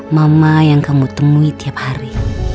mama yang kamu temui tiap hari